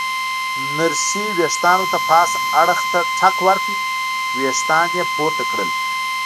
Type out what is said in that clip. نرسې ورېښتانو ته پاس اړخ ته ټک ورکړ، ورېښتان یې پورته کړل.